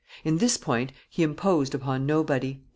In this point, he imposed upon nobody."